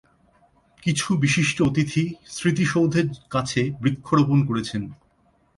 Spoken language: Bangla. কিছু বিশিষ্ট অতিথি স্মৃতিসৌধের কাছে বৃক্ষরোপণ করেছেন।